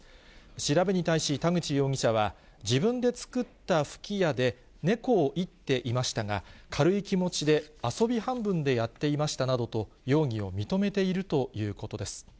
調べに対し、田口容疑者は、自分で作った吹き矢で猫を射っていましたが、軽い気持ちで遊び半分でやっていましたなどと、容疑を認めているということです。